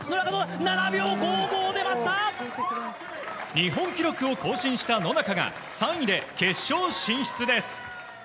日本記録を更新した野中が３位で決勝進出です。